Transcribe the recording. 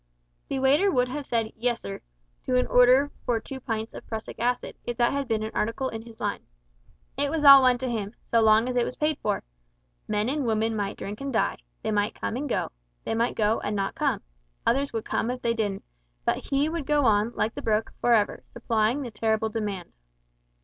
The waiter would have said "Yessir" to an order for two pints of prussic acid, if that had been an article in his line. It was all one to him, so long as it was paid for. Men and women might drink and die; they might come and go; they might go and not come others would come if they didn't, but he would go on, like the brook, "for ever," supplying the terrible demand.